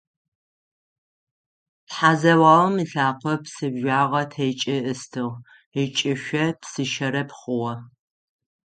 Тхьэзэуагъэм ылъакъо псыжъуагъэ текӏи ыстыгъ, ыкӏышъо псыщэрэб хъугъэ.